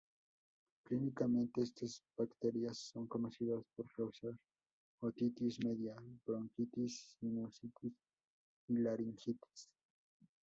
Clínicamente estas bacterias son conocidas por causar otitis media, bronquitis, sinusitis, y laringitis.